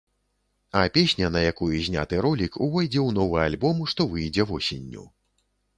А песня, на якую зняты ролік, увойдзе ў новы альбом, што выйдзе восенню.